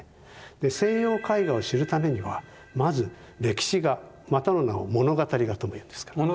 西洋絵画を知るためにはまず歴史画またの名を物語画ともいうんですけども。